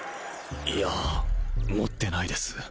いや持ってないです